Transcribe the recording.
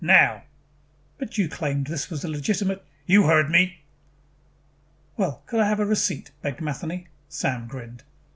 Now." "But you claimed this was a legitimate " "You heard me." "Well could I have a receipt?" begged Matheny. Sam grinned.